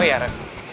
oh ya ren